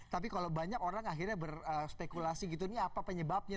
tapi kalau banyak orang akhirnya berspekulasi gitu nih apa penyebabnya